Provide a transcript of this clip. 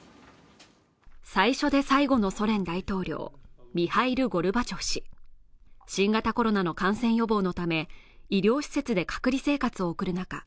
最初で最後のソ連大統領ミハイル・ゴルバチョフ氏新型コロナの感染予防のため医療施設で隔離生活を送る中